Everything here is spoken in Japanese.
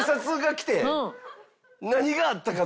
何があったか？と。